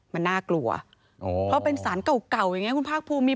มันน่ากลัวเพราะเป็นสารเก่าเก่าอย่างเงี้คุณภาคภูมิ